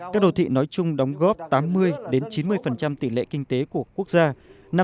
các đô thị nói chung đóng góp tám mươi chín mươi tỷ lệ kinh tế của quốc gia